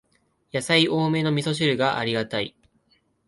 やさい多めのみそ汁がありがたい